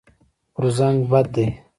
غورځنګ بد دی.